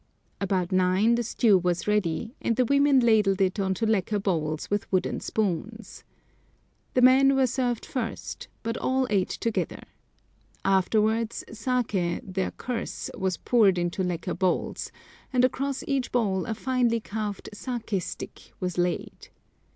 About nine the stew was ready, and the women ladled it into lacquer bowls with wooden spoons. The men were served first, but all ate together. Afterwards saké, their curse, was poured into lacquer bowls, and across each bowl a finely carved "saké stick" was laid.